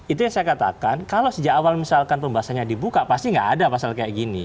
itu yang saya katakan kalau sejak awal misalkan pembahasannya dibuka pasti nggak ada pasal kayak gini